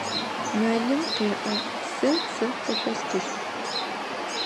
Мэлым къеӏо: Сэ цы къышъостыщт.